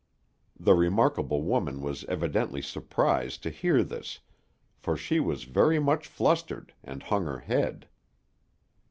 The remarkable woman was evidently surprised to hear this; for she was very much flustered, and hung her head.